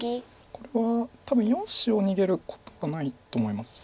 これは多分４子を逃げることはないと思います。